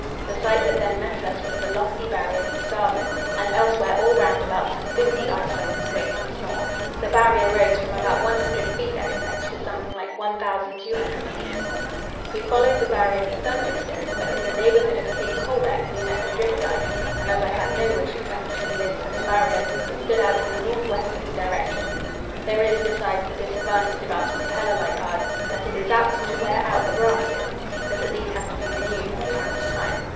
The sight that then met us was the lofty Barrier to starboard, and elsewhere all round about some fifty icebergs, great and small. The Barrier rose from about 100 feet at its edge to something like 1,200 feet. We followed the Barrier for some distance, but in the neighbourhood of Cape Colbeck we met the drift ice, and as I had no wish to come between this and the Barrier, we stood out in a north westerly direction. There is, besides, the disadvantage about a propeller like ours, that it is apt to wear out the brasses, so that these have to be renewed from time to time.